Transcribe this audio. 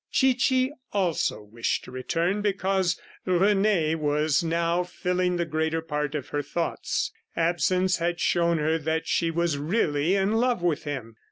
Chichi also wished to return because Rene was now filling the greater part of her thoughts. Absence had shown her that she was really in love with him.